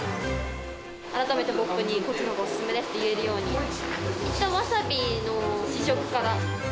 改めて、ポップにこちらのほうお勧めですって言えるように、いったん、わさびの試食から。